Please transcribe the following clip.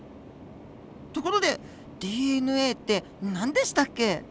ところでＤＮＡって何でしたっけ？